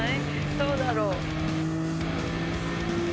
どうだろう。